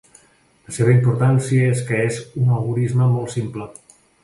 La seva importància és que és un algorisme molt simple.